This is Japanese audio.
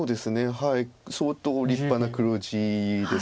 相当立派な黒地です